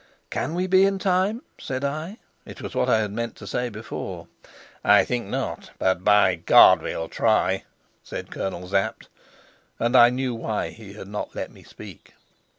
"Can we be in time?" said I. It was what I had meant to say before. "I think not, but, by God, we'll try," said Colonel Sapt. And I knew why he had not let me speak.